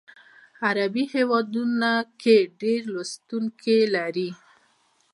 عربي هیوادونو کې ډیر لوستونکي لري.